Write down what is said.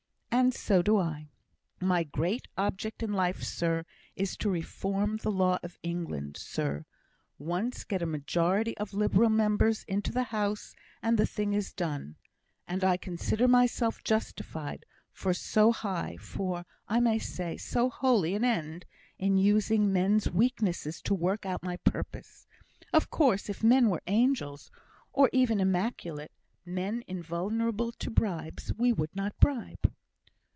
And so do I. My great object in life, sir, is to reform the law of England, sir. Once get a majority of Liberal members into the House, and the thing is done. And I consider myself justified, for so high for, I may say, so holy an end, in using men's weaknesses to work out my purpose. Of course, if men were angels, or even immaculate men invulnerable to bribes, we would not bribe."